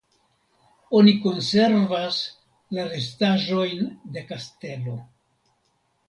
Oni konservas la restaĵojn de kastelo.